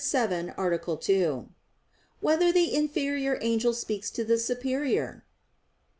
107, Art. 2] Whether the Inferior Angel Speaks to the Superior?